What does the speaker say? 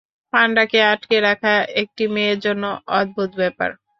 পান্ডাকে আঁটকে রাখা একটা মেয়ের জন্য অদ্ভূত ব্যাপার।